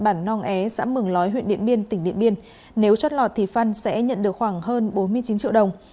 bản nong é xã mừng lói huyện điện biên tỉnh điện biên nếu chót lọt thì phân sẽ nhận được khoảng hơn bốn mươi chín triệu đồng